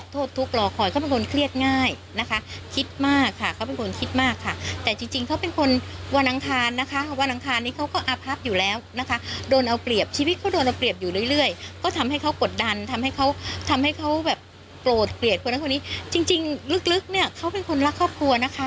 แต่วันสัดแรงออกให้ผู้หญิงเห็นเขาเป็นคนรักครอบครัว